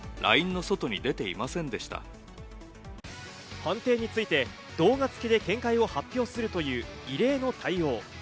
判定について動画つきで見解を発表するという異例の対応。